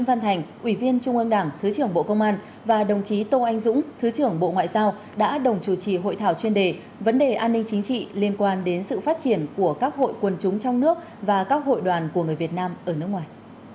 vấn đề an ninh chính trị liên quan đến sự phát triển của các hội quần chúng trong nước và các hội đoàn của người việt nam ở nước ngoài